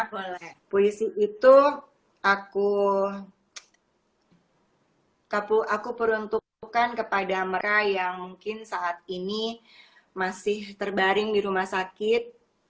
karena puisi itu aku peruntukkan kepada mera yang mungkin saat ini masih terbaring di rumah sakit